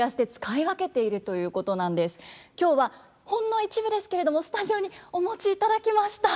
今日はほんの一部ですけれどもスタジオにお持ちいただきました。